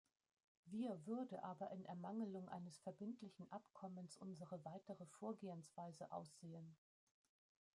Wir würde aber in Ermangelung eines verbindlichen Abkommens unsere weitere Vorgehensweise aussehen?